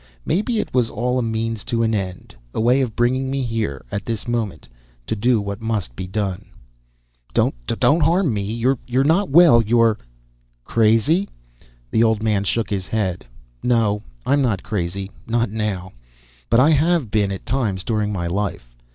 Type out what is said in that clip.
"Maybe it was all a means to an end. A way of bringing me here, at this moment, to do what must be done." "Don't harm me you're not well, you're " "Crazy?" The old man shook his head. "No, I'm not crazy. Not now. But I have been, at times, during my life.